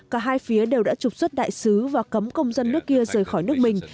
cả hai phía đều đã trục xuất đại sứ và cấm công dân nước kia rời khỏi nước mình